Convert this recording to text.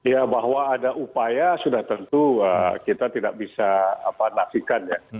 ya bahwa ada upaya sudah tentu kita tidak bisa nafikan ya